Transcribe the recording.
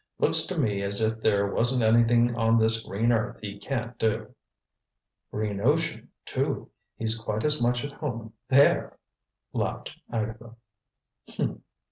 Looks to me as if there wasn't anything on this green earth he can't do." "Green ocean, too he's quite as much at home there," laughed Agatha. "Humph!"